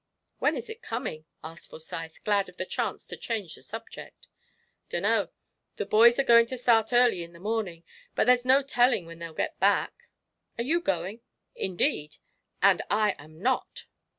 "When is it coming?" asked Forsyth, glad of the chance to change the subject. "Dunno the boys are going to start early in the morning, but there's no telling when they'll get back." "Are you going?" "Indeed, and I am not.